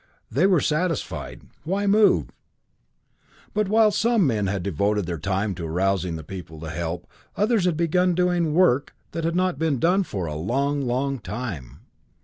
They were satisfied; why move? But, while some men had devoted their time to arousing the people to help, others had begun doing work that had not been done for a long, long time.